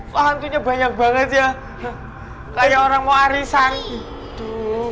wah hantunya banyak banget ya kayak orang warisan itu